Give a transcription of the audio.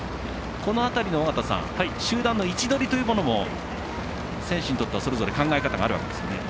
この辺りの集団の位置取りというものも選手にとっては、それぞれ考え方があるわけですよね。